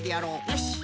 よし。